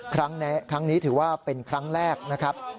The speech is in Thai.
ครั้งนี้ถือว่าเป็นครั้งแรกนะครับ